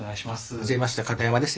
はじめまして片山です。